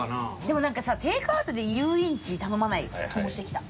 でも何かさテイクアウトで油淋鶏頼まない気もしてきた。